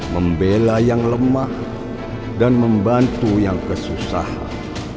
membela yang lemah dan membantu yang kesusahan